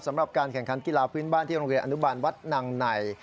สำหรับการแข่งขันกีฬาพื้นบ้านที่โรงเรียนอนุบาลวัดนางใน